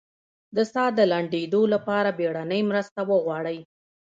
د ساه د لنډیدو لپاره بیړنۍ مرسته وغواړئ